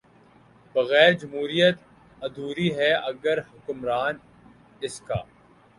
بغیر جمہوریت ادھوری ہے اگر حکمران اس کا